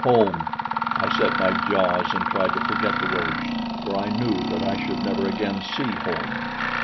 Home! I set my jaws and tried to forget the word, for I knew that I should never again see home.